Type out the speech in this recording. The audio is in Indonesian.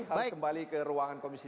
saya kembali ke ruangan komisi tiga